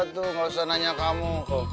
tuh gak usah nanya kamu